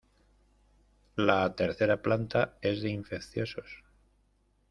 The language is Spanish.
La tercera planta es de infecciosos.